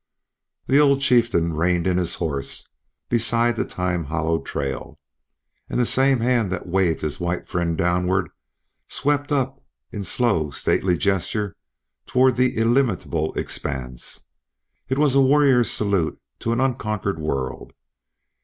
The old chieftain reined in his horse, beside the time hollowed trail, and the same hand that waved his white friend downward swept up in slow stately gesture toward the illimitable expanse. It was a warrior's salute to an unconquered world.